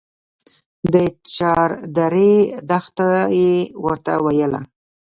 د چاردرې دښته يې ورته ويله.